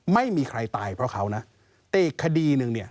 ไม่มีใครตายเพราะเขานะแต่อีกคดีหนึ่งเนี่ย